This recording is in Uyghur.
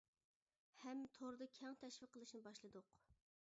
ھەم توردا كەڭ تەشۋىق قىلىشنى باشلىدۇق.